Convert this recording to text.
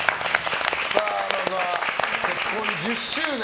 まずは、結婚１０周年。